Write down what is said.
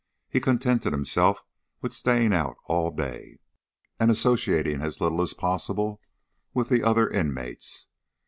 He contented himself with staying out all day, and associating as little as possible with the other inmates.